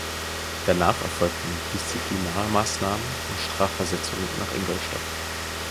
Danach erfolgten Disziplinarmaßnahmen und Strafversetzung nach Ingolstadt.